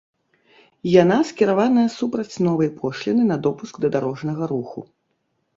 Яна скіраваная супраць новай пошліны на допуск да дарожнага руху.